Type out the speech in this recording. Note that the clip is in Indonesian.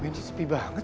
benci sepi banget